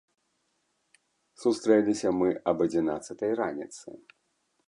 Сустрэліся мы аб адзінаццатай раніцы.